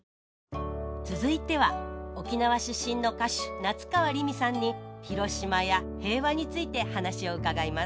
続いては沖縄出身の歌手夏川りみさんに広島や平和について話を伺います